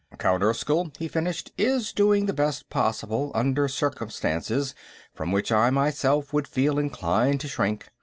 "Count Erskyll" he finished, "is doing the best possible under circumstances from which I myself would feel inclined to shrink.